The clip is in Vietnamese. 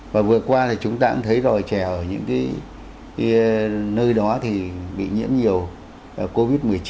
và vừa qua thì chúng ta cũng thấy ròi trèo ở những cái nơi đó thì bị nhiễm nhiều covid một mươi chín